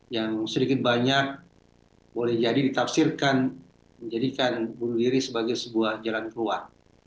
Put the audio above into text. yang sedikit banyak boleh jadi ditafsirkan menjadikan bunuh diri sebagai sebuah jalan keluar